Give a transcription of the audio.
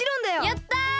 やった！